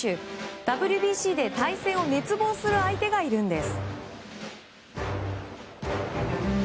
ＷＢＣで対戦を熱望する相手がいるんです。